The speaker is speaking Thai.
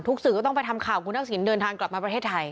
สื่อก็ต้องไปทำข่าวคุณทักษิณเดินทางกลับมาประเทศไทย